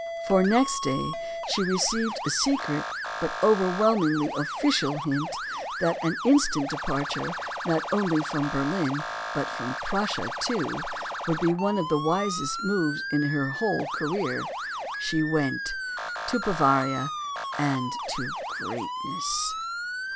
For, next day, she received a secret, but overwhelmingly official hint that an instant departure not only from Berlin, but from Prussia, too, would be one of the wisest moves in her whole career. She went. To Bavaria, and to greatness.